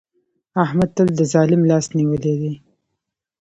احمد تل د ظالم لاس نيولی دی.